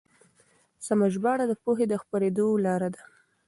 سمه ژباړه د پوهې د خپرېدو لاره ده.